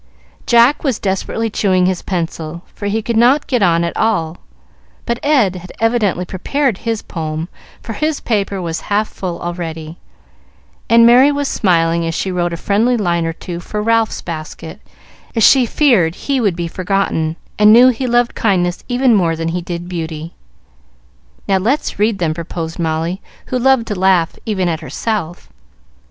Jack was desperately chewing his pencil, for he could not get on at all; but Ed had evidently prepared his poem, for his paper was half full already, and Merry was smiling as she wrote a friendly line or two for Ralph's basket, as she feared he would be forgotten, and knew he loved kindness even more than he did beauty. "Now let's read them," proposed Molly, who loved to laugh even at herself.